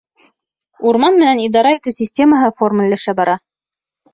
Урман менән идара итеү системаһы формалләшә бара.